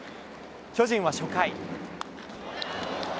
巨人は初回。